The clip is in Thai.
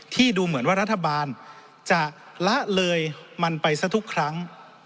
ดูเหมือนว่ารัฐบาลจะละเลยมันไปซะทุกครั้ง